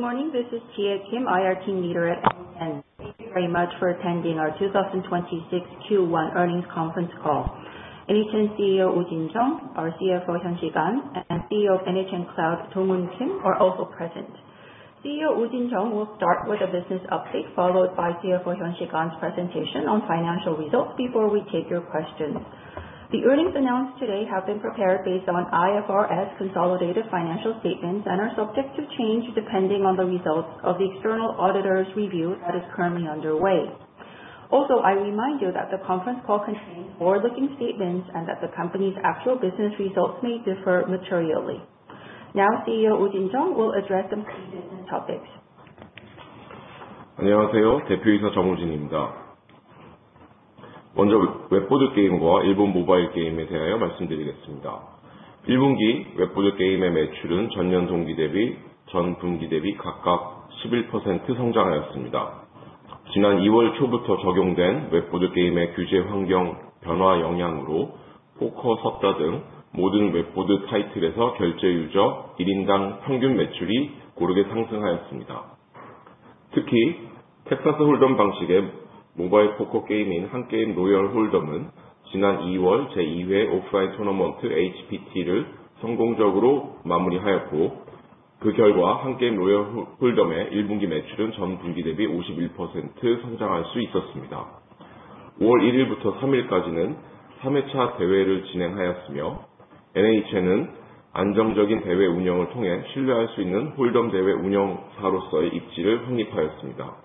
Good morning. This is Jia Kim, IR team leader at NHN. Thank you very much for attending our 2026 Q1 earnings conference call. NHN CEO U Jin-sung, our CFO Hyun An, and CEO of NHN Cloud, Kim Dong-hoon are also present. CEO U Jin-sung will start with a business update, followed by CFO Hyun An's presentation on financial results before we take your questions. The earnings announced today have been prepared based on IFRS consolidated financial statements and are subject to change depending on the results of the external auditor's review that is currently underway. Also, I remind you that the conference call contains forward-looking statements and that the company's actual business results may differ materially. Now, CEO U Jin-sung will address some key business topics. 안녕하세요. 대표이사 정우진입니다. 먼저 웹보드 게임과 일본 모바일 게임에 대하여 말씀드리겠습니다. 1분기 웹보드 게임의 매출은 전년 동기 대비, 전분기 대비 각각 11% 성장하였습니다. 지난 2월 초부터 적용된 웹보드 게임의 규제 환경 변화 영향으로 포커, 섯다 등 모든 웹보드 타이틀에서 결제 유저 1인당 평균 매출이 고르게 상승하였습니다. 특히 텍사스 홀덤 방식의 모바일 포커 게임인 한게임 로얄홀덤은 지난 2월 제2회 오프라인 토너먼트 HPT를 성공적으로 마무리하였고, 그 결과 한게임 로얄홀덤의 1분기 매출은 전분기 대비 51% 성장할 수 있었습니다. 5월 1일부터 3일까지는 3회차 대회를 진행하였으며, NHN은 안정적인 대회 운영을 통해 신뢰할 수 있는 홀덤 대회 운영사로서의 입지를 확립하였습니다.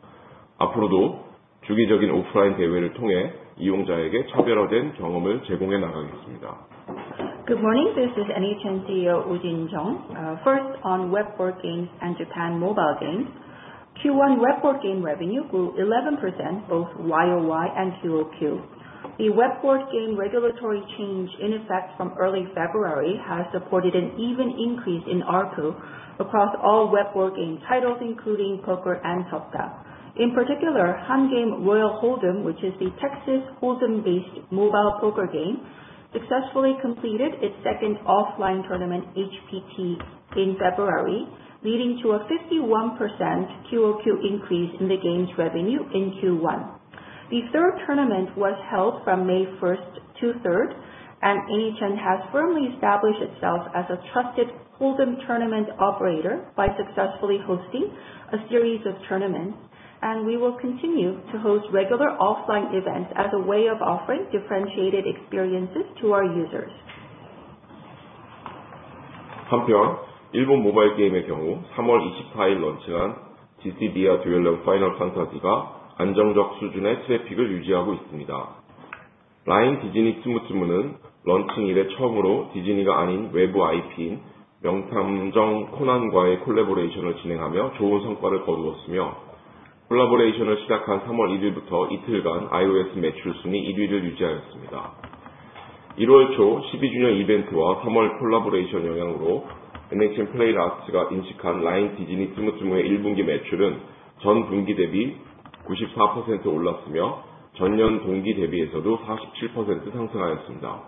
앞으로도 주기적인 오프라인 대회를 통해 이용자에게 차별화된 경험을 제공해 나가겠습니다. Good morning. This is NHN CEO U Jin-sung. First on web board games and Japan mobile games. Q1 web board game revenue grew 11% both year-over-year and quarter-over-quarter. The web board game regulatory change in effect from early February has supported an even increase in ARPU across all web board game titles, including poker and Seotda. In particular, Han Game Royal Hold'em, which is the Texas Hold'em-based mobile poker game, successfully completed its second offline tournament, HPT, in February, leading to a 51% quarter-over-quarter increase in the game's revenue in Q1. NHN has firmly established itself as a trusted Hold'em tournament operator by successfully hosting a series of tournaments. The third tournament was held from May 1st to 3rd, and we will continue to host regular offline events as a way of offering differentiated experiences to our users. 한편 일본 모바일 게임의 경우 3월 24일 런칭한 'Dissidia Duellum Final Fantasy'가 안정적 수준의 트래픽을 유지하고 있습니다. LINE: Disney Tsum Tsum은 런칭 이래 처음으로 디즈니가 아닌 외부 IP인 명탐정 코난과의 컬래버레이션을 진행하며 좋은 성과를 거두었으며, 컬래버레이션을 시작한 3월 1일부터 이틀간 iOS 매출 순위 1위를 유지하였습니다. 1월 초 12주년 이벤트와 3월 컬래버레이션 영향으로 NHN PlayArt가 인식한 LINE: Disney Tsum Tsum의 1분기 매출은 전분기 대비 94% 올랐으며, 전년 동기 대비해서도 47% 상승하였습니다.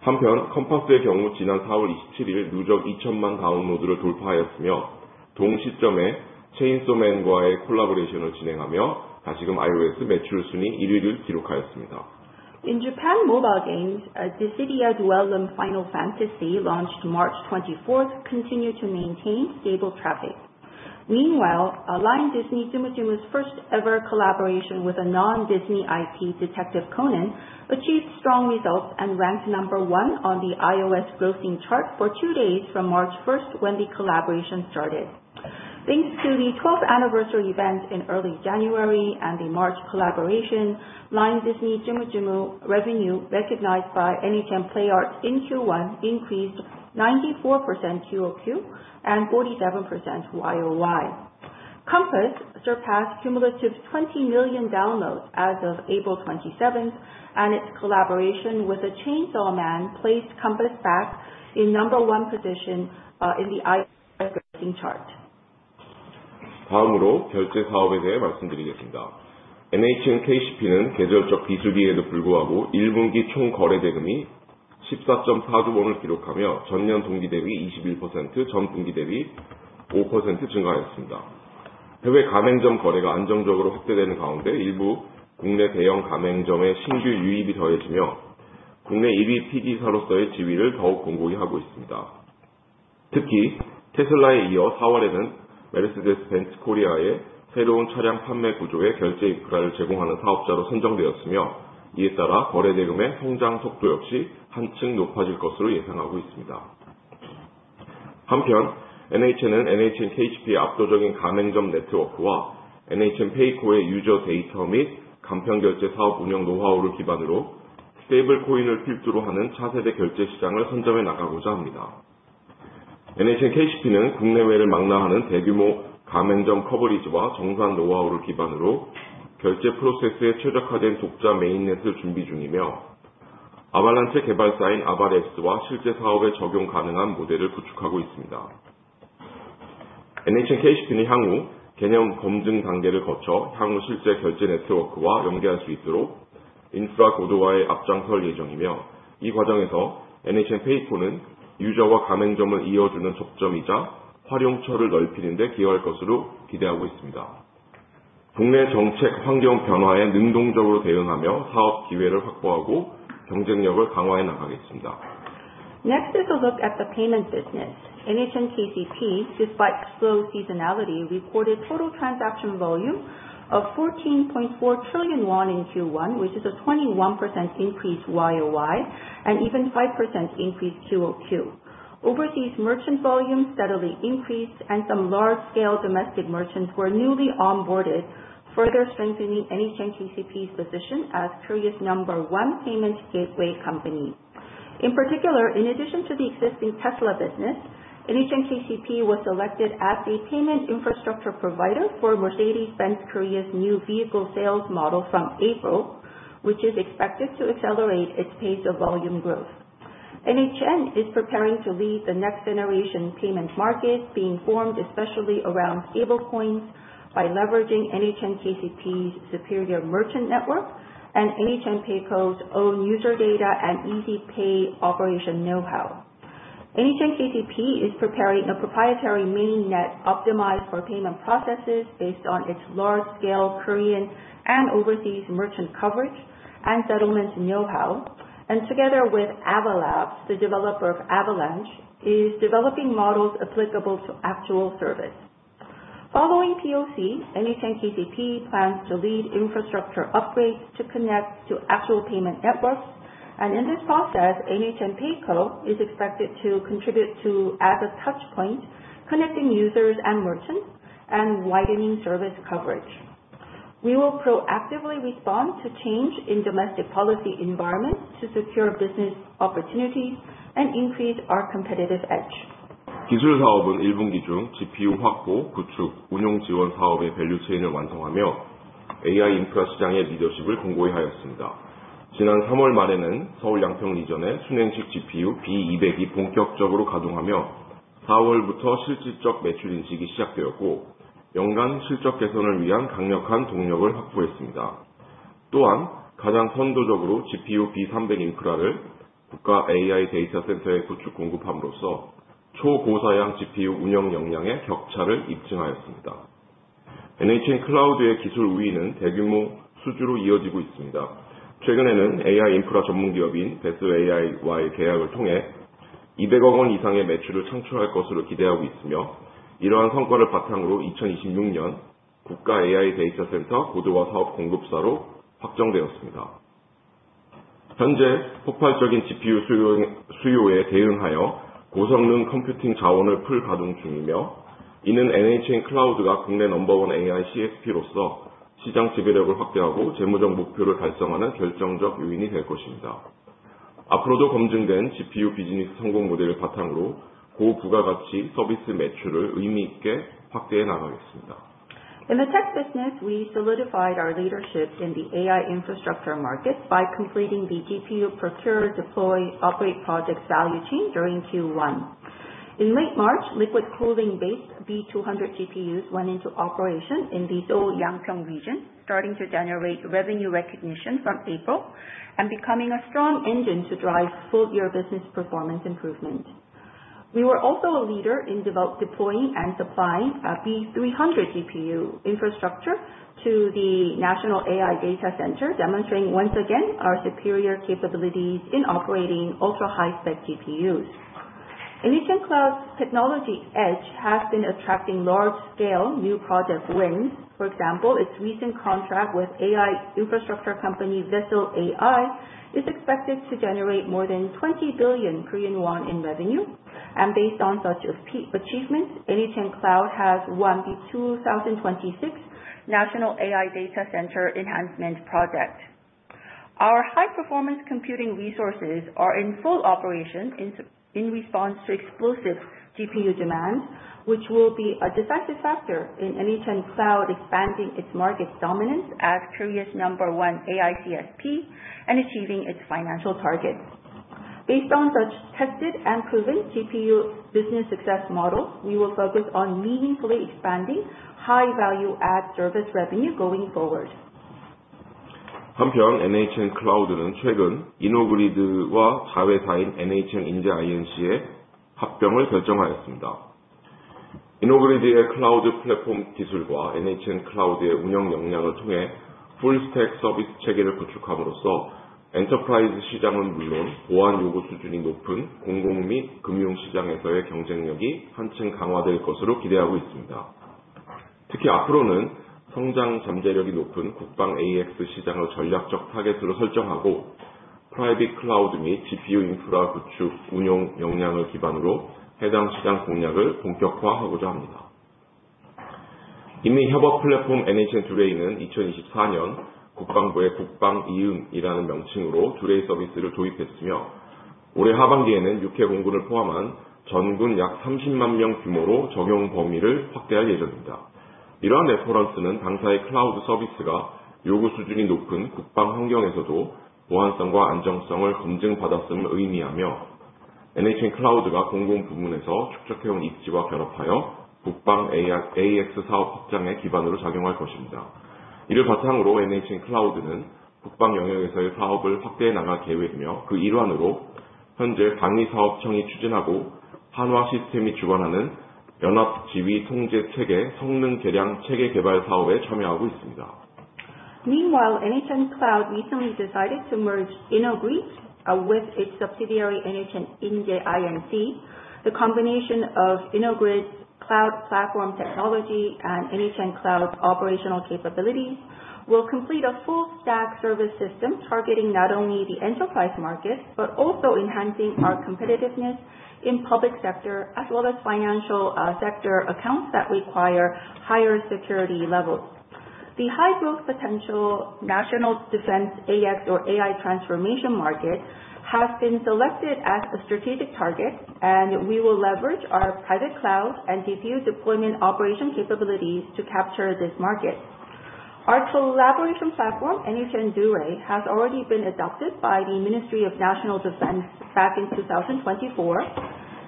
한편 #컴파스의 경우 지난 4월 27일 누적 2천만 다운로드를 돌파하였으며, 동 시점에 Chainsaw Man과의 컬래버레이션을 진행하며 다시금 iOS 매출 순위 1위를 기록하였습니다. In Japan mobile games, Dissidia Duellum Final Fantasy, launched March 24th, continued to maintain stable traffic. Meanwhile, LINE: Disney Tsum Tsum's first ever collaboration with a non-Disney IP, Detective Conan, achieved strong results and ranked number one on the iOS grossing chart for two days from March 1st, when the collaboration started. Thanks to the 12th anniversary event in early January and the March collaboration, LINE: Disney Tsum Tsum revenue recognized by NHN PlayArt in Q1 increased 94% quarter-over-quarter and 47% year-over-year. #Compass surpassed cumulative 20 million downloads as of April 27th. Its collaboration with the Chainsaw Man placed #Compass back in number one position in the iOS grossing chart. 다음으로 결제 사업에 대해 말씀드리겠습니다. NHN KCP는 계절적 비수기에도 불구하고 1분기 총 거래 대금이 14.4조 원을 기록하며 전년 동기 대비 21%, 전분기 대비 5% 증가하였습니다. 해외 가맹점 거래가 안정적으로 확대되는 가운데 일부 국내 대형 가맹점의 신규 유입이 더해지며 국내 1위 PG사로서의 지위를 더욱 공고히 하고 있습니다. 특히 테슬라에 이어 4월에는 메르세데스-벤츠 코리아의 새로운 차량 판매 구조의 결제 인프라를 제공하는 사업자로 선정되었으며, 이에 따라 거래 대금의 성장 속도 역시 한층 높아질 것으로 예상하고 있습니다. 한편 NHN은 NHN KCP의 압도적인 가맹점 네트워크와 NHN PAYCO의 유저 데이터 및 간편 결제 사업 운영 노하우를 기반으로 스테이블코인을 필두로 하는 차세대 결제 시장을 선점해 나가고자 합니다. NHN KCP는 국내외를 망라하는 대규모 가맹점 커버리지와 정산 노하우를 기반으로 결제 프로세스에 최적화된 독자 메인넷을 준비 중이며, 아발란체 개발사인 아바랩스와 실제 사업에 적용 가능한 모델을 구축하고 있습니다. NHN KCP는 향후 개념 검증 단계를 거쳐 실제 결제 네트워크와 연계할 수 있도록 인프라 고도화에 앞장설 예정이며, 이 과정에서 NHN PAYCO는 유저와 가맹점을 이어주는 접점이자 활용처를 넓히는 데 기여할 것으로 기대하고 있습니다. 국내 정책 환경 변화에 능동적으로 대응하며 사업 기회를 확보하고 경쟁력을 강화해 나가겠습니다. Next is a look at the payment business. NHN KCP, despite slow seasonality, reported total transaction volume of 14.4 trillion won in Q1, which is a 21% increase year-over-year, even 5% increase quarter-over-quarter. Overseas merchant volume steadily increased. Some large-scale domestic merchants were newly onboarded, further strengthening NHN KCP's position as Korea's number one payment gateway company. In particular, in addition to the existing Tesla business, NHN KCP was selected as a payment infrastructure provider for Mercedes-Benz Korea's new vehicle sales model from April, which is expected to accelerate its pace of volume growth. NHN is preparing to lead the next generation payment market being formed especially around stablecoins by leveraging NHN KCP's superior merchant network and NHN PAYCO's own user data and Easy Pay operation knowhow. NHN KCP is preparing a proprietary mainnet optimized for payment processes based on its large scale Korean and overseas merchant coverage and settlements knowhow, and together with Ava Labs, the developer of Avalanche, is developing models applicable to actual service. Following POC, NHN KCP plans to lead infrastructure upgrades to connect to actual payment networks, and in this process, NHN PAYCO is expected to contribute to as a touch point, connecting users and merchants, and widening service coverage. We will proactively respond to change in domestic policy environments to secure business opportunities and increase our competitive edge. 기술 사업은 1분기 중 GPU 확보, 구축, 운용 지원 사업의 밸류체인을 완성하며 AI 인프라 시장의 리더십을 공고히 하였습니다. 지난 3월 말에는 서울 양평 리전에 수냉식 GPU B200이 본격적으로 가동하며, 4월부터 실질적 매출 인식이 시작되었고 연간 실적 개선을 위한 강력한 동력을 확보했습니다. 또한 가장 선도적으로 GPU B300 인프라를 국가 AI 데이터센터에 구축 공급함으로써 초고사양 GPU 운영 역량의 격차를 입증하였습니다. NHN Cloud의 기술 우위는 대규모 수주로 이어지고 있습니다. 최근에는 AI 인프라 전문 기업인 VESSL AI와의 계약을 통해 200억 원 이상의 매출을 창출할 것으로 기대하고 있으며, 이러한 성과를 바탕으로 2026년 국가 AI 데이터센터 고도화 사업 공급사로 확정되었습니다. 현재 폭발적인 GPU 수요에 대응하여 고성능 컴퓨팅 자원을 풀 가동 중이며, 이는 NHN Cloud가 국내 넘버원 AI CSP로서 시장 지배력을 확대하고 재무적 목표를 달성하는 결정적 요인이 될 것입니다. 앞으로도 검증된 GPU 비즈니스 성공 모델을 바탕으로 고부가가치 서비스 매출을 의미 있게 확대해 나가겠습니다. In the tech business, we solidified our leadership in the AI infrastructure market by completing the GPU procure, deploy, operate project value chain during Q1. In late March, liquid cooling-based B200 GPUs went into operation in the Seoul Yangpyeong region, starting to generate revenue recognition from April and becoming a strong engine to drive full year business performance improvement. We were also a leader in deploying and supplying a B300 GPU infrastructure to the national AI data center, demonstrating once again our superior capabilities in operating ultra high-spec GPUs. NHN Cloud's technology edge has been attracting large-scale new project wins. For example, its recent contract with AI infrastructure company VESSL AI is expected to generate more than 20 billion Korean won in revenue. Based on such achievements, NHN Cloud has won the 2026 National AI Data Center Enhancement Project. Our high-performance computing resources are in full operation in response to explosive GPU demands, which will be a decisive factor in NHN Cloud expanding its market dominance as Korea's number 1 AI CSP and achieving its financial targets. Based on such tested and proven GPU business success model, we will focus on meaningfully expanding high-value ad service revenue going forward. 한편 NHN Cloud는 최근 이노그리드와 자회사인 NHN Inje INC의 합병을 결정하였습니다. 이노그리드의 클라우드 플랫폼 기술과 NHN Cloud의 운영 역량을 통해 풀스택 서비스 체계를 구축함으로써 엔터프라이즈 시장은 물론 보안 요구 수준이 높은 공공 및 금융 시장에서의 경쟁력이 한층 강화될 것으로 기대하고 있습니다. 특히 앞으로는 성장 잠재력이 높은 국방 AX 시장을 전략적 타겟으로 설정하고, 프라이빗 클라우드 및 GPU 인프라 구축, 운용 역량을 기반으로 해당 시장 공략을 본격화하고자 합니다. 이미 협업 플랫폼 NHN Dooray!는 2024년 국방부의 국방 이음이라는 명칭으로 Dooray! 서비스를 도입했으며, 올해 하반기에는 육해공군을 포함한 전군 약 30만 명 규모로 적용 범위를 확대할 예정입니다. 이러한 레퍼런스는 당사의 클라우드 서비스가 요구 수준이 높은 국방 환경에서도 보안성과 안정성을 검증받았음을 의미하며 NHN Cloud가 공공 부문에서 축적해온 입지와 결합하여 국방 AX 사업 확장의 기반으로 작용할 것입니다. 이를 바탕으로 NHN Cloud는 국방 영역에서의 사업을 확대해 나갈 계획이며, 그 일환으로 현재 방위사업청이 추진하고 한화시스템이 주관하는 연합 지휘통제체계 성능 개량 체계 개발 사업에 참여하고 있습니다. Meanwhile, NHN Cloud recently decided to merge Innogrid with its subsidiary, NHN Inje INC. The combination of Innogrid Cloud platform technology and NHN Cloud's operational capabilities will complete a full stack service system targeting not only the enterprise market, but also enhancing our competitiveness in public sector, as well as financial sector accounts that require higher security levels. The high-growth potential National Defense AX or AI transformation market has been selected as a strategic target, and we will leverage our private cloud and GPU deployment operation capabilities to capture this market. Our collaboration platform, NHN Dooray!, has already been adopted by the Ministry of National Defense back in 2024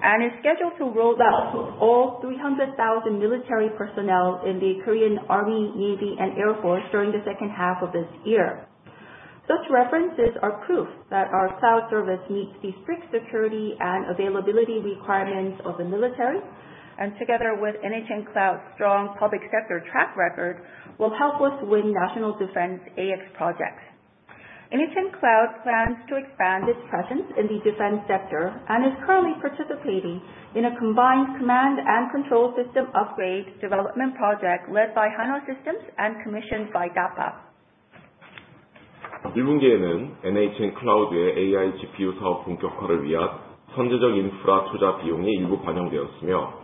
and is scheduled to roll out to all 300,000 military personnel in the Korean Army, Navy, and Air Force during the second half of this year. Such references are proof that our cloud service meets the strict security and availability requirements of the military, and together with NHN Cloud's strong public sector track record, will help us win National Defense AX projects. NHN Cloud plans to expand its presence in the defense sector and is currently participating in a combined command and control system upgrade development project led by Hanwha Systems and commissioned by DAPA. 1분기에는 NHN Cloud의 AI GPU 사업 본격화를 위한 선제적 인프라 투자 비용이 일부 반영되었으며,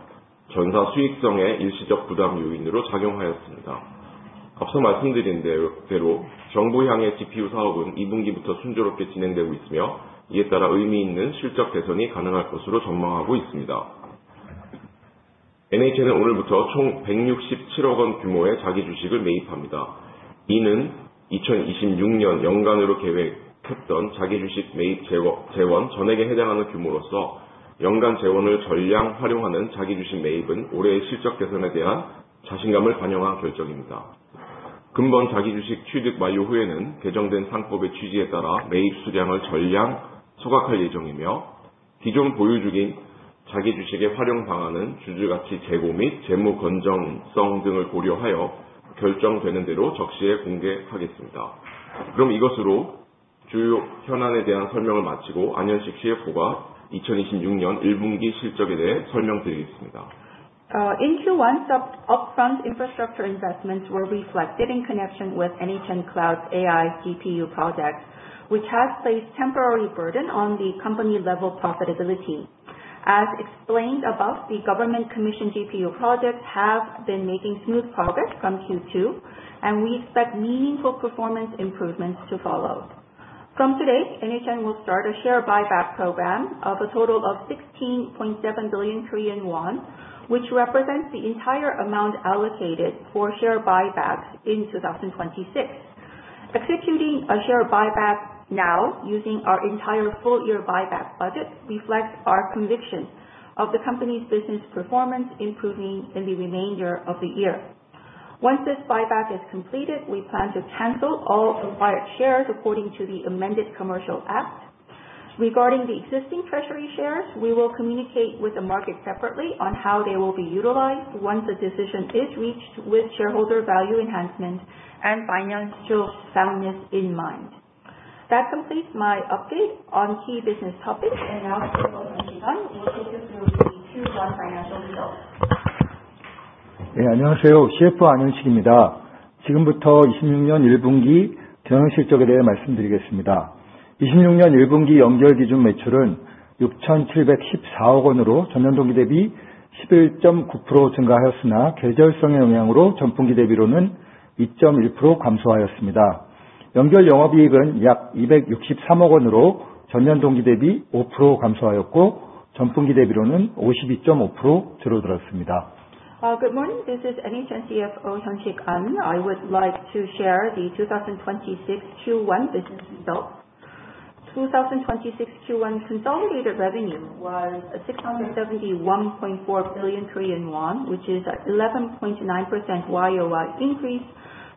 전사 수익성에 일시적 부담 요인으로 작용하였습니다. 앞서 말씀드린 대로 정부 향해 GPU 사업은 2분기부터 순조롭게 진행되고 있으며, 이에 따라 의미 있는 실적 개선이 가능할 것으로 전망하고 있습니다. NHN은 오늘부터 총 167억 원 규모의 자기 주식을 매입합니다. 이는 2026년 연간으로 계획했던 자기 주식 매입 재원 전액에 해당하는 규모로서, 연간 재원을 전량 활용하는 자기 주식 매입은 올해의 실적 개선에 대한 자신감을 반영한 결정입니다. 금번 자기 주식 취득 완료 후에는 개정된 상법의 취지에 따라 매입 수량을 전량 소각할 예정이며, 기존 보유 중인 자기 주식의 활용 방안은 주주가치 제고 및 재무 건전성 등을 고려하여 결정되는 대로 적시에 공개하겠습니다. 그럼 이것으로 주요 현안에 대한 설명을 마치고 안현식 CFO가 2026년 1분기 실적에 대해 설명드리겠습니다. In Q1, upfront infrastructure investments were reflected in connection with NHN Cloud's AI GPU project, which has placed temporary burden on the company-level profitability. As explained above, the government commission GPU projects have been making smooth progress from Q2, and we expect meaningful performance improvements to follow. From today, NHN will start a share buyback program of a total of 16.7 billion Korean won, which represents the entire amount allocated for share buybacks in 2026. Executing a share buyback now using our entire full-year buyback budget reflects our conviction of the company's business performance improving in the remainder of the year. Once this buyback is completed, we plan to cancel all acquired shares according to the amended Commercial Act. Regarding the existing treasury shares, we will communicate with the market separately on how they will be utilized once a decision is reached with shareholder value enhancement and financial soundness in mind. That completes my update on key business topics. Now Hyun-Shik An will take you through the Q1 financial results. 네, 안녕하세요. CFO 안현식입니다. 지금부터 26년 1분기 재무실적에 대해 말씀드리겠습니다. 26년 1분기 연결 기준 매출은 6,714억 원으로 전년 동기 대비 11.9% 증가하였으나, 계절성의 영향으로 전분기 대비로는 2.1% 감소하였습니다. 연결 영업이익은 약 263억 원으로 전년 동기 대비 5% 감소하였고, 전분기 대비로는 52.5% 줄어들었습니다. Good morning. This is NHN CFO Hyun-Shik An. I would like to share the 2026 Q1 business results. 2026 Q1 consolidated revenue was 671.4 billion Korean won, which is 11.9% YOY increase,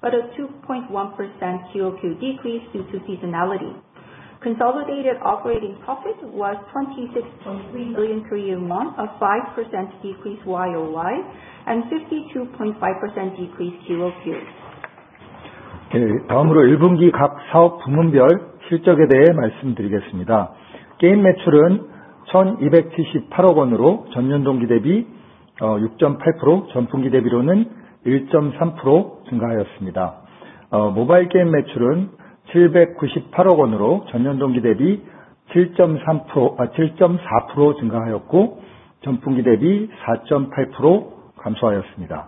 a 2.1% QOQ decrease due to seasonality. Consolidated operating profit was 26.3 billion Korean won, a 5% decrease YOY, and 52.5% decrease QOQ. 다음으로 1분기 각 사업 부문별 실적에 대해 말씀드리겠습니다. 게임 매출은 1,278억 원으로 전년 동기 대비 6.8%, 전분기 대비로는 1.3% 증가하였습니다. 모바일 게임 매출은 798억 원으로 전년 동기 대비 7.4% 증가하였고, 전분기 대비 4.8% 감소하였습니다.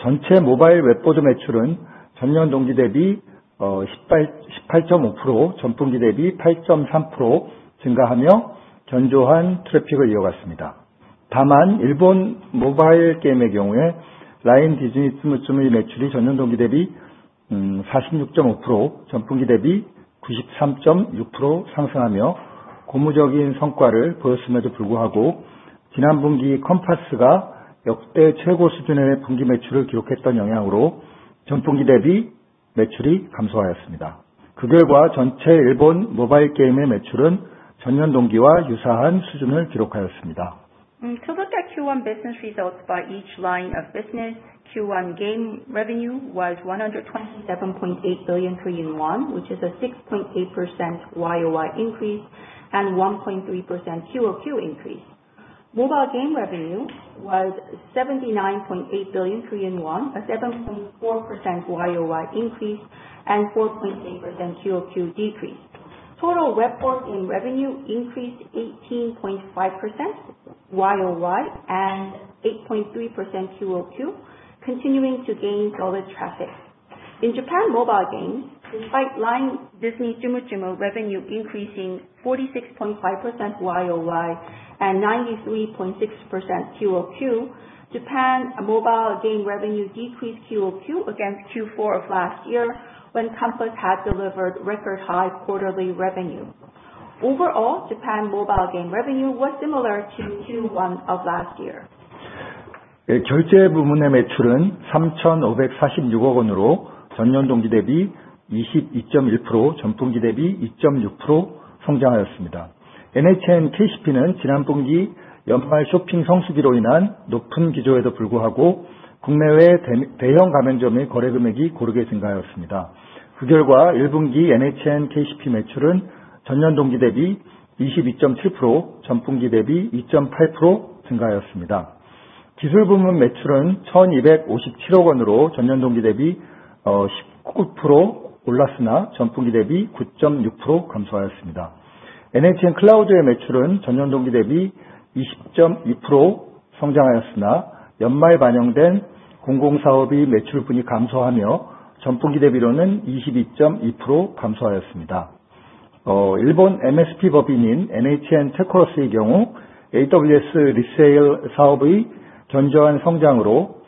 전체 모바일 웹보드 매출은 전년 동기 대비 18.5%, 전분기 대비 8.3% 증가하며 견조한 트래픽을 이어갔습니다. 다만 일본 모바일 게임의 경우에 LINE: Disney Tsum Tsum의 매출이 전년 동기 대비 46.5%, 전분기 대비 93.6% 상승하며 고무적인 성과를 보였음에도 불구하고 지난 분기 #컴파스가 역대 최고 수준의 분기 매출을 기록했던 영향으로 전분기 대비 매출이 감소하였습니다. 그 결과 전체 일본 모바일 게임의 매출은 전년 동기와 유사한 수준을 기록하였습니다. To look at Q1 business results by each line of business, Q1 game revenue was 127.8 billion, which is a 6.8% YOY increase and 1.3% QOQ increase. Mobile game revenue was 79.8 billion Korean won, a 7.4% YOY increase and 4.8% QOQ decrease. Total web board in revenue increased 18.5% YOY and 8.3% QOQ, continuing to gain solid traffic. In Japan mobile games, despite LINE: Disney Tsum Tsum revenue increasing 46.5% YOY and 93.6% QOQ, Japan mobile game revenue decreased QOQ against Q4 of last year when #Compass had delivered record high quarterly revenue. Overall, Japan mobile game revenue was similar to Q1 of last year. 결제 부문의 매출은 3,546억 원으로 전년 동기 대비 22.1%, 전분기 대비 2.6% 성장하였습니다. NHN KCP는 지난 분기 연말 쇼핑 성수기로 인한 높은 기저에도 불구하고 국내외 대형 가맹점의 거래 금액이 고르게 증가하였습니다. 그 결과 1분기 NHN KCP 매출은 전년 동기 대비 22.7%, 전분기 대비 2.8% 증가하였습니다. 기술 부문 매출은 1,257억 원으로 전년 동기 대비 19% 올랐으나 전분기 대비 9.6% 감소하였습니다. NHN Cloud의 매출은 전년 동기 대비 20.2% 성장하였으나, 연말 반영된 공공사업의 매출분이 감소하며 전분기 대비로는 22.2% 감소하였습니다. 일본 MSP 법인인 NHN Techorus의 경우 AWS Resale 사업의 견조한 성장으로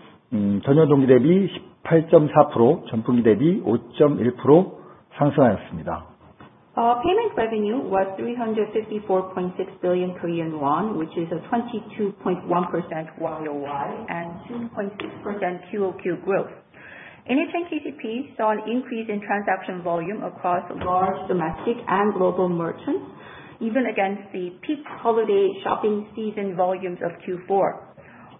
전년 동기 대비 18.4%, 전분기 대비 5.1% 상승하였습니다. Payment revenue was 354.6 billion Korean won, which is a 22.1% YOY and 2.6% QOQ growth. NHN KCP saw an increase in transaction volume across large domestic and global merchants, even against the peak holiday shopping season volumes of Q4.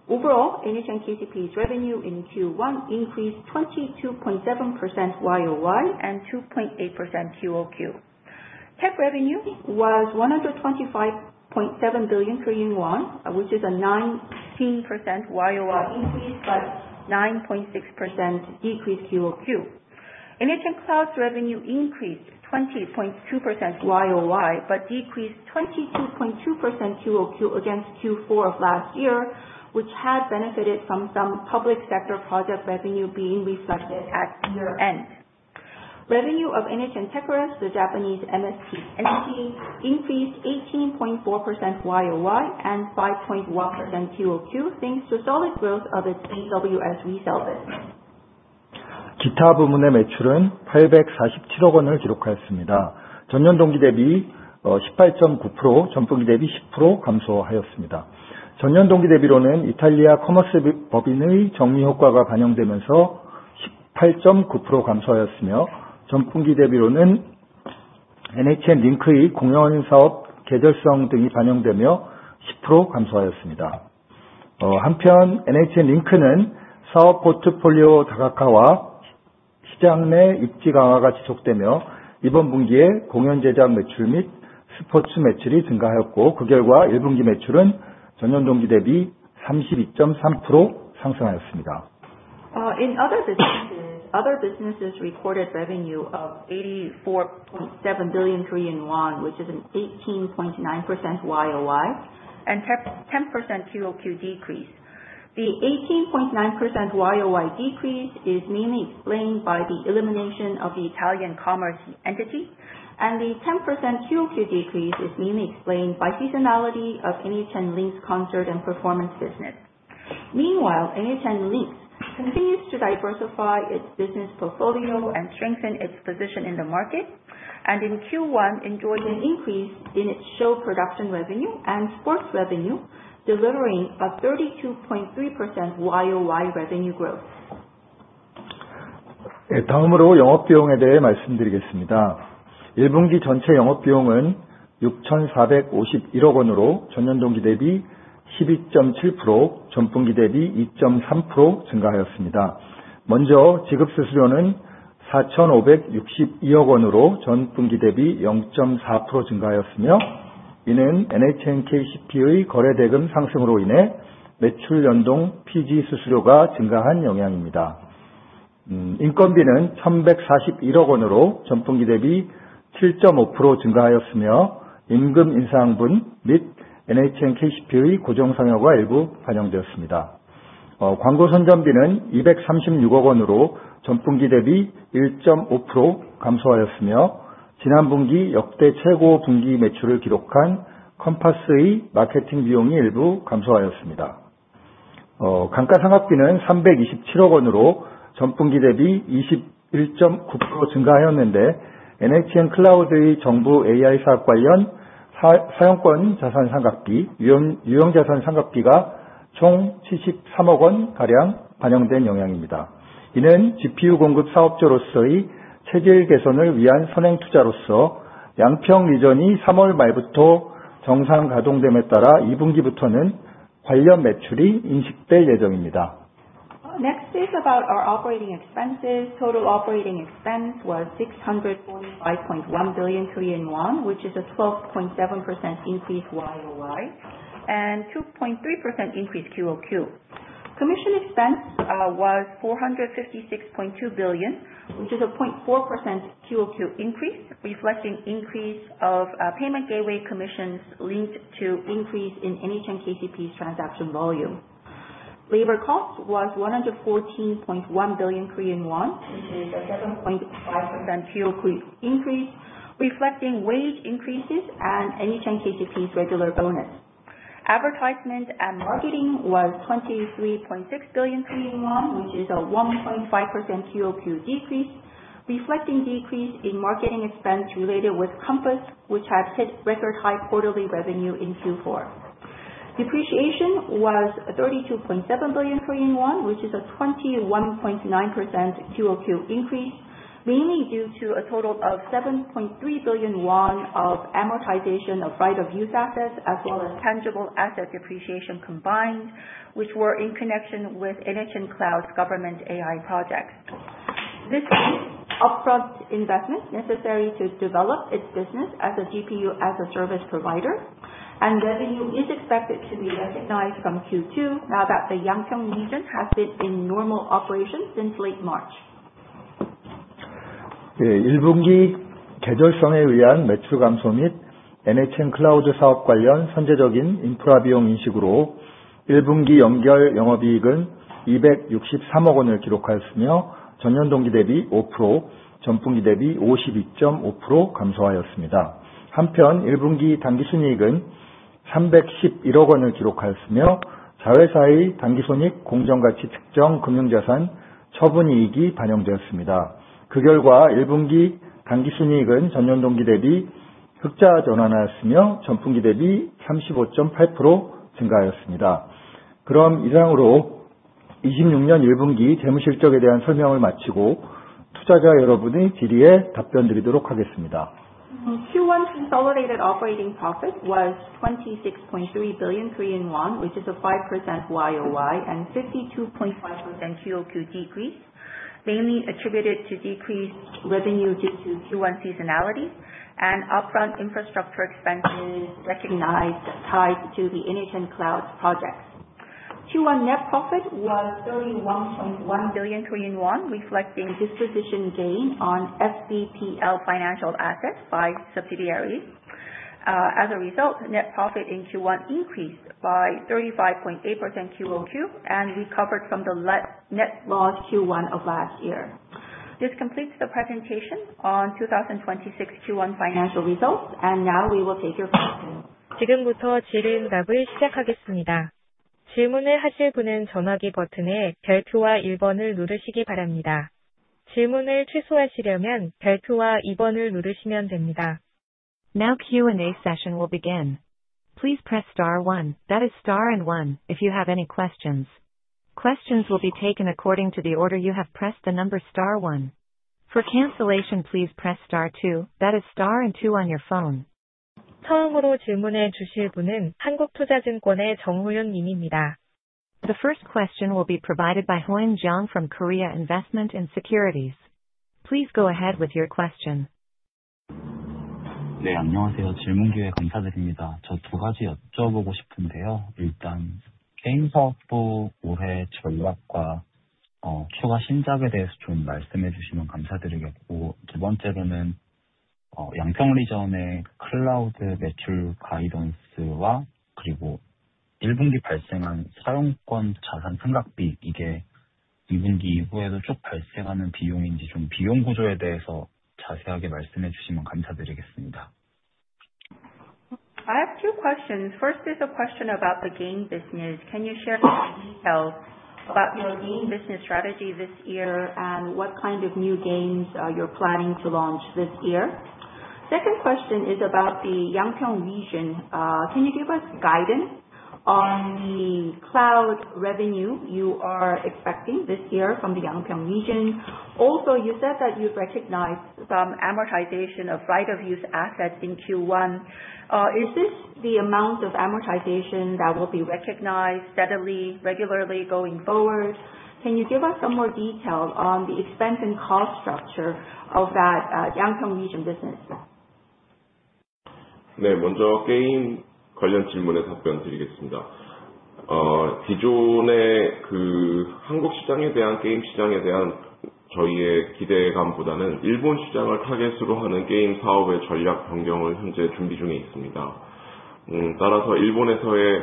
Overall, NHN KCP's revenue in Q1 increased 22.7% YOY and 2.8% QOQ. Tech revenue was 125.7 billion Korean won, which is a 19% YOY increase but 9.6% decrease QOQ. NHN Cloud's revenue increased 20.2% YOY, but decreased 22.2% QOQ against Q4 of last year, which had benefited from some public sector project revenue being reflected at year-end. Revenue of NHN Techorus, the Japanese MSP entity, increased 18.4% YOY and 5.1% QOQ thanks to solid growth of its AWS resale business. 기타 부문의 매출은 847억 원을 기록하였습니다. 전년 동기 대비 18.9%, 전분기 대비 10% 감소하였습니다. 전년 동기 대비로는 이탈리아 커머스 법인의 정리 효과가 반영되면서 18.9% 감소하였으며, 전분기 대비로는 NHN Link의 공연 사업 계절성 등이 반영되며 10% 감소하였습니다. 한편, NHN Link는 사업 포트폴리오 다각화와 시장 내 입지 강화가 지속되며 이번 분기에 공연 제작 매출 및 스포츠 매출이 증가하였고, 그 결과 1분기 매출은 전년 동기 대비 32.3% 상승하였습니다. In other businesses, other businesses recorded revenue of 84.7 billion Korean won, which is an 18.9% YOY and 10% QOQ decrease. The 18.9% YOY decrease is mainly explained by the elimination of the Italian commerce entity, and the 10% QOQ decrease is mainly explained by seasonality of NHN Link's concert and performance business. Meanwhile, NHN Link continues to diversify its business portfolio and strengthen its position in the market, and in Q1 enjoyed an increase in its show production revenue and sports revenue, delivering a 32.3% YOY revenue growth. 다음으로 영업 비용에 대해 말씀드리겠습니다. 1분기 전체 영업 비용은 6,451억 원으로 전년 동기 대비 12.7%, 전분기 대비 2.3% 증가하였습니다. 먼저 지급 수수료는 4,562억 원으로 전분기 대비 0.4% 증가하였으며, 이는 NHN KCP의 거래 대금 상승으로 인해 매출 연동 PG 수수료가 증가한 영향입니다. 인건비는 1,141억 원으로 전분기 대비 7.5% 증가하였으며, 임금 인상분 및 NHN KCP의 고정 성역이 일부 반영되었습니다. 광고선전비는 236억 원으로 전분기 대비 1.5% 감소하였으며, 지난 분기 역대 최고 분기 매출을 기록한 #컴파스의 마케팅 비용이 일부 감소하였습니다. 감가상각비는 327억 원으로 전분기 대비 21.9% 증가하였는데, NHN Cloud의 정부 AI 사업 관련 사용권자산상각비, 유형자산상각비가 총 73억 원가량 반영된 영향입니다. 이는 GPU 공급 사업자로서의 체질 개선을 위한 선행 투자로서 양평 리전이 3월 말부터 정상 가동됨에 따라 2분기부터는 관련 매출이 인식될 예정입니다. Next is about our operating expenses. Total operating expense was 645.1 billion Korean won, which is a 12.7% increase YOY and 2.3% increase QOQ. Commission expense was 456.2 billion, which is a 0.4% QOQ increase, reflecting increase of payment gateway commissions linked to increase in NHN KCP's transaction volume. Labor cost was 114.1 billion Korean won, which is a 7.5% QOQ increase, reflecting wage increases and NHN KCP's regular bonus. Advertisement and marketing was 23.6 billion Korean won, which is a 1.5% QOQ decrease, reflecting decrease in marketing expense related with #Compass, which has hit record high quarterly revenue in Q4. Depreciation was 32.7 billion Korean won, which is a 21.9% QOQ increase, mainly due to a total of 7.3 billion won of amortization of right of use assets as well as tangible asset depreciation combined, which were in connection with NHN Cloud government AI projects. This means upfront investment necessary to develop its business as a GPU, as a service provider, and revenue is expected to be recognized from Q2 now that the Yangpyeong region has been in normal operation since late March. 1분기 계절성에 의한 매출 감소 및 NHN Cloud 사업 관련 선제적인 인프라 비용 인식으로 1분기 연결 영업이익은 263억원을 기록하였으며, 전년 동기 대비 5%, 전분기 대비 52.5% 감소하였습니다. 한편, 1분기 당기순이익은 311억원을 기록하였으며, 자회사의 당기순이익 공정가치 측정 금융자산 처분이익이 반영되었습니다. 그 결과 1분기 당기순이익은 전년 동기 대비 흑자 전환하였으며, 전분기 대비 35.8% 증가하였습니다. 그럼 이상으로 26년 1분기 재무실적에 대한 설명을 마치고 투자자 여러분의 질의에 답변드리도록 하겠습니다. Q1 consolidated operating profit was 26.3 billion Korean won, which is a 5% YOY and 52.5% QoQ decrease, mainly attributed to decreased revenue due to Q1 seasonality and upfront infrastructure expenses recognized tied to the NHN Cloud projects. Q1 net profit was 31.1 billion Korean won, reflecting disposition gain on FVTPL financial assets by subsidiaries. As a result, net profit in Q1 increased by 35.8% QoQ and recovered from the net loss Q1 of last year. This completes the presentation on 2026 Q1 financial results. Now we will take your questions. 지금부터 질의응답을 시작하겠습니다. 질문을 하실 분은 전화기 버튼의 별표와 1번을 누르시기 바랍니다. 질문을 취소하시려면 별표와 2번을 누르시면 됩니다. Now Q&A session will begin. Please press star 1, that is star and 1, if you have any questions. Questions will be taken according to the order you have pressed the number star 1. For cancellation, please press star 2, that is star and 2 on your phone. 처음으로 질문해 주실 분은 한국투자증권의 정호윤 님입니다. The first question will be provided by Hoyun Jeong from Korea Investment & Securities. Please go ahead with your question. 안녕하세요. 질문 기회 감사드립니다. 저두 가지 여쭤보고 싶은데요. 일단 게임 사업부 올해 전략과 추가 신작에 대해서 말씀해 주시면 감사드리겠고, 두 번째로는 양평 리전의 클라우드 매출 가이던스와 그리고 1분기 발생한 사용권 자산 상각비 이게 2분기 이후에도 쭉 발생하는 비용인지, 비용 구조에 대해서 자세하게 말씀해 주시면 감사드리겠습니다. I have two questions. First is a question about the game business. Can you share some details about your game business strategy this year and what kind of new games you're planning to launch this year? Second question is about the Yangpyeong region. Can you give us guidance on the cloud revenue you are expecting this year from the Yangpyeong region? Also, you said that you've recognized some amortization of right of use assets in Q1. Is this the amount of amortization that will be recognized steadily, regularly going forward? Can you give us some more detail on the expense and cost structure of that Yangpyeong region business? 네, 먼저 게임 관련 질문에 답변드리겠습니다. 기존의 그 한국 시장에 대한 게임 시장에 대한 저희의 기대감보다는 일본 시장을 타겟으로 하는 게임 사업의 전략 변경을 현재 준비 중에 있습니다. 따라서 일본에서의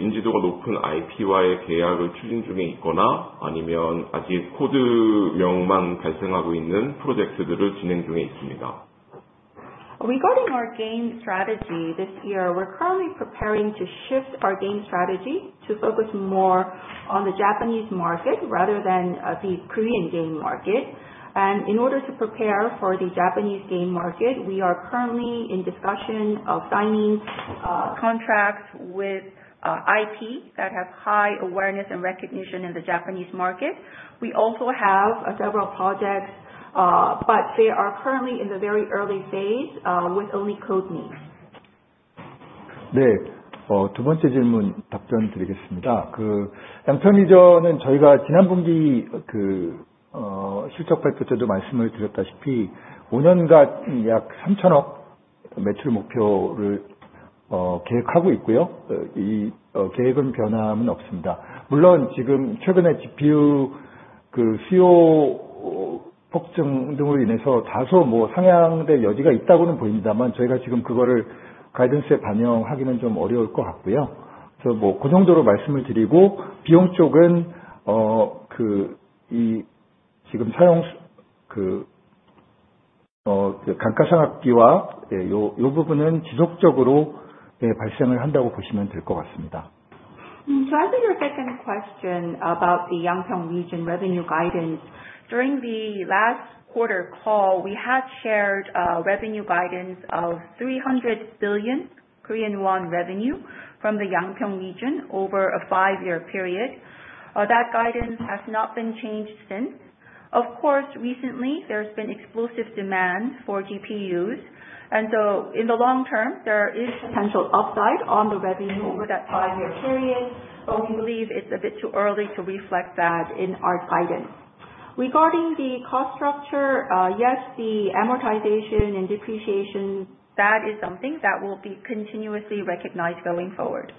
인지도가 높은 IP와의 계약을 추진 중에 있거나, 아니면 아직 코드명만 발생하고 있는 프로젝트들을 진행 중에 있습니다. Regarding our game strategy this year, we're currently preparing to shift our game strategy to focus more on the Japanese market rather than the Korean game market. In order to prepare for the Japanese game market, we are currently in discussion of signing contracts with IP that have high awareness and recognition in the Japanese market. We also have several projects, but they are currently in the very early phase with only code names. 네, 두 번째 질문 답변드리겠습니다. VESSL AI 리저는 저희가 지난 분기 실적 발표 때도 말씀을 드렸다시피 5년간 약 3천억 매출 목표를 계획하고 있고요. 이 계획은 변함이 없습니다. 물론 지금 최근에 GPU 수요 폭증 등으로 인해서 다소 상향될 여지가 있다고는 보입니다만 저희가 지금 그거를 가이던스에 반영하기는 좀 어려울 것 같고요. 그래서 그 정도로 말씀을 드리고, 비용 쪽은 지금 사용, 감가상각비와 이 부분은 지속적으로 발생을 한다고 보시면 될것 같습니다. As of your second question about the Yangpyeong region revenue guidance, during the last quarter call, we had shared revenue guidance of 300 billion Korean won revenue from the Yangpyeong region over a five-year period. That guidance has not been changed since. Of course, recently, there's been explosive demand for GPUs. In the long term, there is potential upside on the revenue over that five-year period, we believe it's a bit too early to reflect that in our guidance. Regarding the cost structure, yes, the amortization and depreciation, that is something that will be continuously recognized going forward.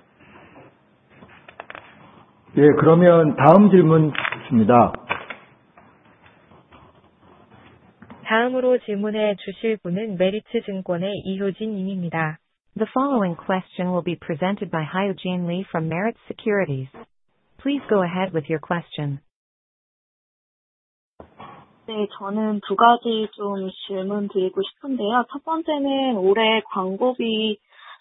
네, 그러면 다음 질문 듣습니다. 다음으로 질문해 주실 분은 메리츠증권의 이효진 님입니다. The following question will be presented by Hyo Jin Lee from Meritz Securities. Please go ahead with your question. 저는 두 가지 질문드리고 싶은데요. 첫 번째는 올해 광고비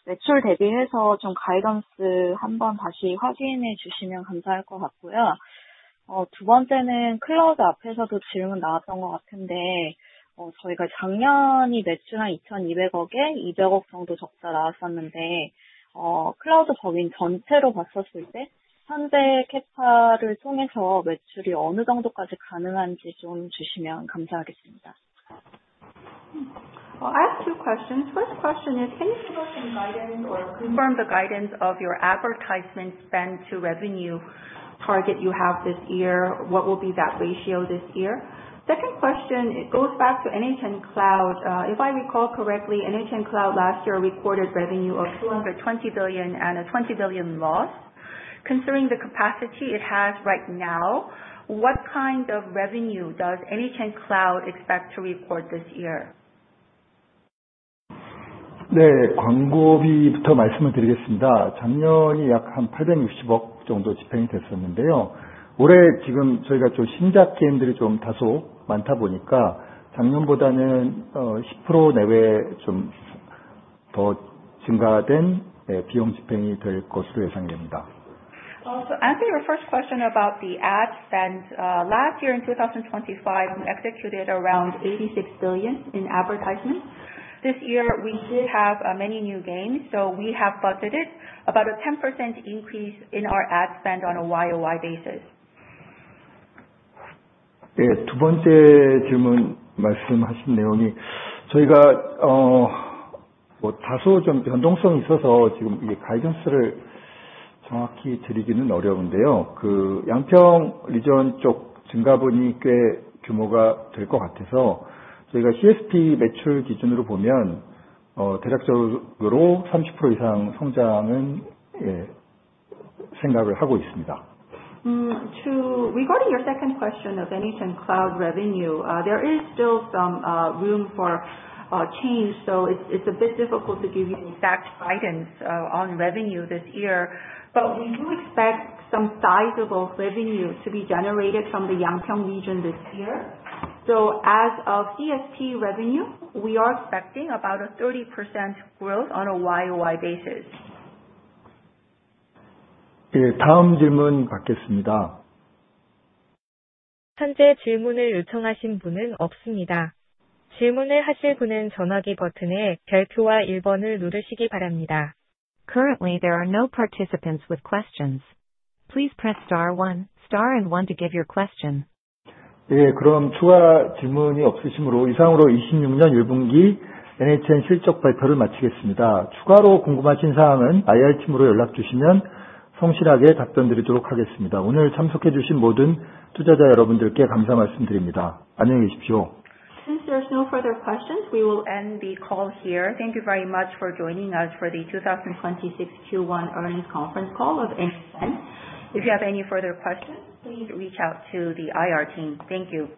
매출 대비해서 가이던스 한번 다시 확인해 주시면 감사할 것 같고요. 두 번째는 클라우드 앞에서도 질문 나왔던 것 같은데, 저희가 작년에 매출 한 2,200억에 200억 정도 적자 나왔었는데 클라우드 부문 전체로 봤었을 때 현재 CAPA를 통해서 매출이 어느 정도까지 가능한지 좀 주시면 감사하겠습니다. I have two questions. First question is, can you give us some guidance or confirm the guidance of your advertisement spend to revenue target you have this year? What will be that ratio this year? Second question, it goes back to NHN Cloud. If I recall correctly, NHN Cloud last year recorded revenue of KRW 220 billion and a KRW 20 billion loss. Considering the capacity it has right now, what kind of revenue does NHN Cloud expect to report this year? 광고비부터 말씀을 드리겠습니다. 작년에 약 860억 정도 집행이 됐었는데요. 올해 저희가 신작 게임들이 다소 많다 보니까 작년보다는 10% 내외 더 증가된 비용 집행이 될 것으로 예상됩니다. Answering your first question about the ad spend. Last year in 2025, we executed around 86 billion in advertising. This year we did have many new games, so we have budgeted about a 10% increase in our ad spend on a year-over-year basis. 두 번째 질문 말씀하신 내용이 저희가 다소 변동성이 있어서 지금 가이던스를 정확히 드리기는 어려운데요. 양평 리전 쪽 증가분이 꽤 규모가 될것 같아서 저희가 CSP 매출 기준으로 보면 대략적으로 30% 이상 성장은 생각을 하고 있습니다. Regarding your second question of NHN Cloud revenue, there is still some room for change. It's a bit difficult to give you exact guidance on revenue this year, but we do expect some sizable revenue to be generated from the Yangpyeong region this year. As of CSP revenue, we are expecting about a 30% growth on a year-over-year basis. 네, 다음 질문 받겠습니다. 현재 질문을 요청하신 분은 없습니다. 질문을 하실 분은 전화기 버튼에 별표와 1번을 누르시기 바랍니다. Currently, there are no participants with questions. Please press star one star and one to give your question. 네, 그럼 추가 질문이 없으시므로 이상으로 26년 1분기 NHN 실적 발표를 마치겠습니다. 추가로 궁금하신 사항은 IR팀으로 연락 주시면 성실하게 답변드리도록 하겠습니다. 오늘 참석해 주신 모든 투자자 여러분들께 감사 말씀드립니다. 안녕히 계십시오. Since there's no further questions, we will end the call here. Thank you very much for joining us for the 2026 Q1 Earnings Conference Call of NHN. If you have any further questions, please reach out to the IR team. Thank you.